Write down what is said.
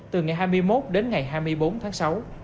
từ ngày hai mươi một đến ngày hai mươi bốn tháng sáu